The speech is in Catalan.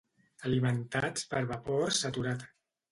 Alimentats per vapor saturat.